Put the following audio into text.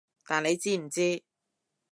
但你知唔知